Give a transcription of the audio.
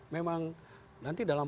memang nanti dalam